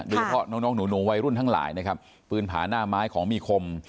โดยเฉพาะน้องน้องหนูวัยรุ่นทั้งหลายนะครับปืนผาหน้าไม้ของมีคม